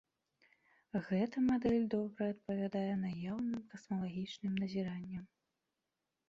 Гэта мадэль добра адпавядае наяўным касмалагічным назіранням.